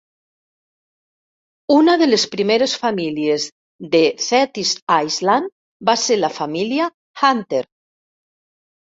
Una de les primeres famílies de Thetis Island va ser la família Hunter.